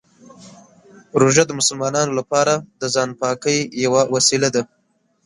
روژه د مسلمانانو لپاره د ځان پاکۍ یوه وسیله ده.